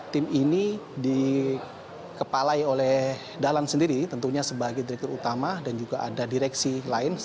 tim ini dikepalai oleh dahlan sendiri tentunya sebagai direktur utama dan juga ada direksi lain